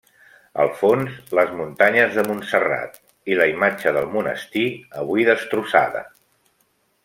Al fons, les muntanyes de Montserrat i la imatge del monestir, avui destrossada.